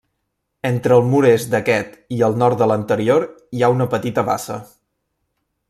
Entre el mur est d'aquest i el nord de l'anterior, hi ha una petita bassa.